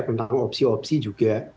tentang opsi opsi juga